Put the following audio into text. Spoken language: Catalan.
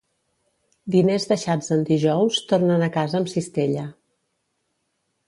Diners deixats en dijous tornen a casa amb cistella.